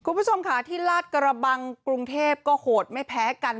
คุณผู้ชมค่ะที่ลาดกระบังกรุงเทพก็โหดไม่แพ้กัน